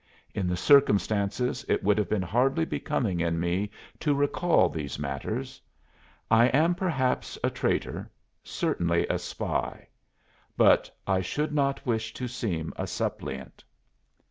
In the circumstances it would have been hardly becoming in me to recall these matters. I am perhaps a traitor, certainly a spy; but I should not wish to seem a suppliant."